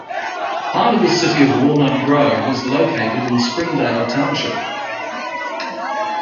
Part of the city of Walnut Grove is located in Springdale Township.